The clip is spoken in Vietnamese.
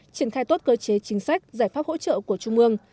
triển khai tốt cơ chế chính sách giải pháp hỗ trợ của trung ương